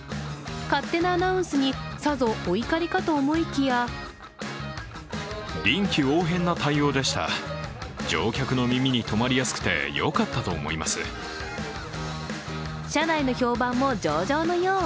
勝手なアナウンスにさぞ、お怒りかと思いきや社内の評判も上々のよう。